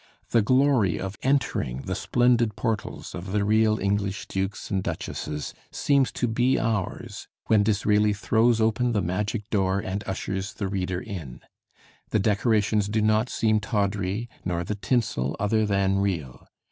The glory of entering the splendid portals of the real English dukes and duchesses seems to be ours when Disraeli throws open the magic door and ushers the reader in. The decorations do not seem tawdry, nor the tinsel other than real.